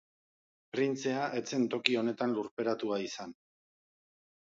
Printzea, ez zen toki honetan lurperatua izan.